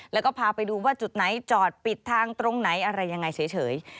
แล้วก็พาไปดูว่าจุดไหนจอดปิดทางตรงไหนอะไรยังไงเฉย